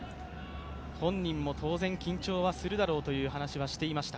本人も当然緊張はするだろうという話はしていました。